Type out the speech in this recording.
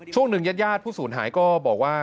ช่วงหนึ่งญาติญาติผู้สูญหายก็บอกว่า